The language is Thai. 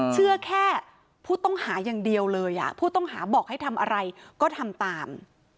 เชื่อแค่ผู้ต้องหาอย่างเดียวเลยผู้ต้องหาบอกให้ทำอะไรก็ทำตาม